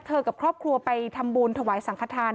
กับครอบครัวไปทำบุญถวายสังขทาน